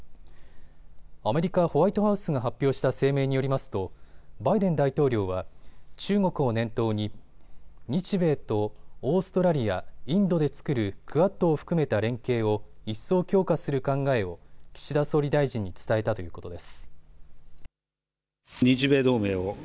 アメリカ・ホワイトハウスが発表した声明によりますとバイデン大統領は中国を念頭に日米とオーストラリア、インドで作るクアッドを含めた連携を一層強化する考えを岸田総理大臣に伝えたということです。